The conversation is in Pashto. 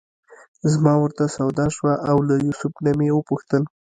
زما ورته سودا شوه او له یوسف نه مې وپوښتل.